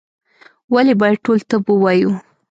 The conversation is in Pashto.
ولي باید ټول طب ووایو؟